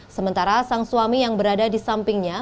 sementara sang suami yang berada di sampingnya